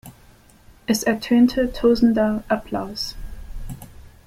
Es ertönte tosender Applaus.